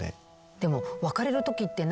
でも別れるときってな